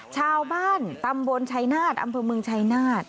ชาวบ้านตำบลชัยนาฏอำเภอเมืองชัยนาธ